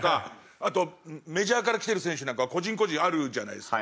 あとメジャーから来てる選手なんかは個人個人あるじゃないですか。